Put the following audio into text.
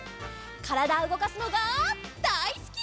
からだをうごかすのがだいすき！